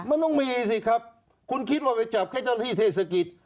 มันต้องมีสิครับคุณคิดว่าไปจับแค่เจ้าหน้าที่เทศกิจ